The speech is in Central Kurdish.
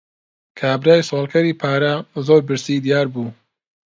کابرای سواڵکەری پارە، زۆر برسی دیار بوو.